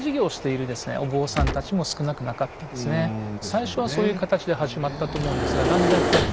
最初はそういう形で始まったと思うんですがだんだんやっぱり。